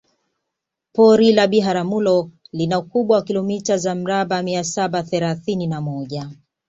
Pori la Biharamulo lina ukubwa wa kilomita za mraba mia saba thelathini na moja